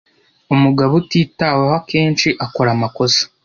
Umugabo utitaweho akenshi akora amakosa.